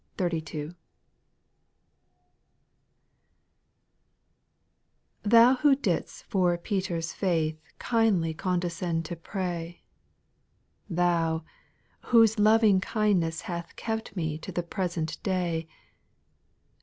npHOU, who did 'st for Peter's faith X Bandly condescend to pray, Thou, whose loving kindness hath Kept me to the present day.